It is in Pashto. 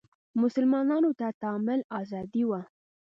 مسلمانانو ته تعامل ازادي وه